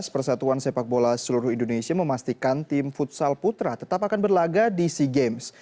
persatuan sepak bola seluruh indonesia memastikan tim futsal putra tetap akan berlaga di sea games